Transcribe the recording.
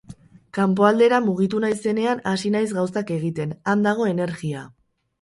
Kanpoaldera mugitu naizenean hasi naiz gauzak egiten, han dago energia.